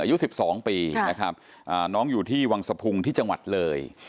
อายุสิบสองปีน้องอยู่ที่วังศพุงที่จังหวัดเลย